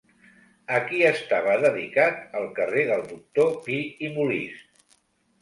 A qui estava dedicat el carrer del Doctor Pi i Molist?